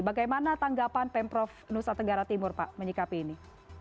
bagaimana tanggapan pemprov nusa tenggara timur pak menyikapi ini